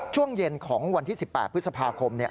ช่วงเย็นของวันที่๑๘พฤษภาคม